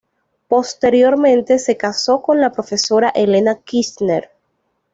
Posteriormente se casó con la profesora Helena Kirchner.